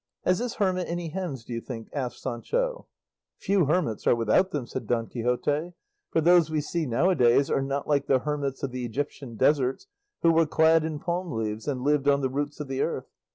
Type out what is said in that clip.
"Has this hermit any hens, do you think?" asked Sancho. "Few hermits are without them," said Don Quixote; "for those we see now a days are not like the hermits of the Egyptian deserts who were clad in palm leaves, and lived on the roots of the earth.